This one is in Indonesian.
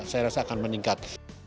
saya rasa akan meningkat